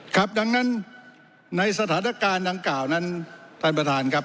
ครับดังนั้นในสถานการณ์ดังกล่าวนั้นท่านประธานครับ